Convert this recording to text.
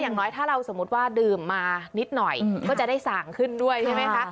อย่างน้อยถ้าเราสมมุติว่าดื่มมานิดหน่อยก็จะได้สั่งขึ้นด้วยใช่ไหมคะ